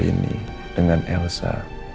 ini dengan elsa